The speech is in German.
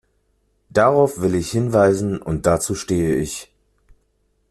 Darauf will ich hinweisen, und dazu stehe ich.